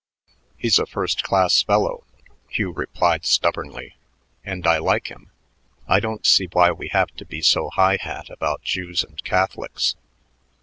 "He's a first class fellow," Hugh replied stubbornly, "and I like him. I don't see why we have to be so high hat about Jews and Catholics.